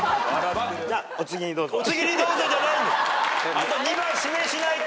あと２番指名しないと。